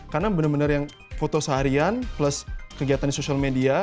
karena benar benar yang foto seharian plus kegiatan di social media